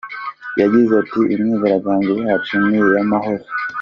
Yagize ati “Imyigaragambyo yacu ni iy’amahoro.